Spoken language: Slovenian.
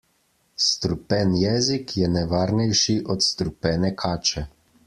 Strupen jezik je nevarnejši od strupene kače.